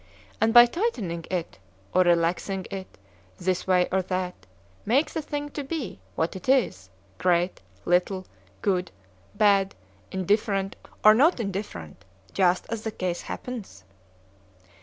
—and by tightening it, or relaxing it, this way or that, make the thing to be, what it is—great—little—good—bad—indifferent or not indifferent, just as the case happens?